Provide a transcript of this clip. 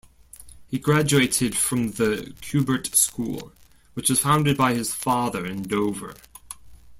He graduated from The Kubert School, which was founded by his father in Dover.